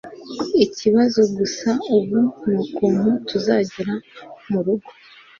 ikibazo gusa ubu nukuntu tuzagera murugo